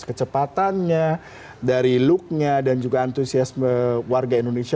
kecepatannya dari looknya dan juga antusiasme warga indonesia